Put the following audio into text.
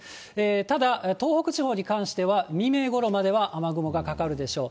ただ、東北地方に関しては、未明ごろまでは雨雲がかかるでしょう。